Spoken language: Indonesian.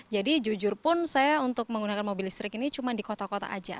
jadi jujur pun saya untuk menggunakan mobil listrik ini cuma di kota kota aja